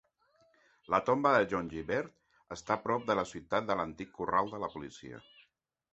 La tomba de John Gilbert està prop de la ciutat en l'antic corral de la policia.